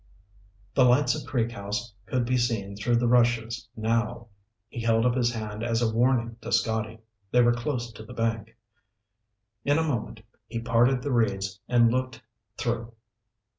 The lights of Creek House could be seen through the rushes now. He held up his hand as a warning to Scotty. They were close to the bank. In a moment he parted the reeds and looked through.